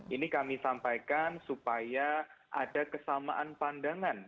ini kami sampaikan supaya ada kesamaan pandangan